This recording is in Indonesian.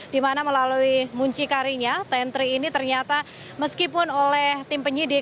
dimana melalui muncikarinya tentri ini ternyata meskipun oleh tim penyidik